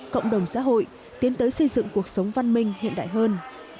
cộng đồng xã hội tiến tới xây dựng cuộc sống văn minh hiện đại hơn